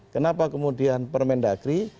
kenapa kemudian permendagri